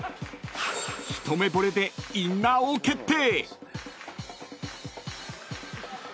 ［一目ぼれでインナーを決定］